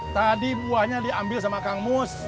tadi buahnya diambil sama kang mus